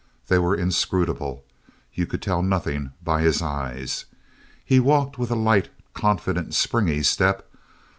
They were inscrutable. You could tell nothing by his eyes. He walked with a light, confident, springy step.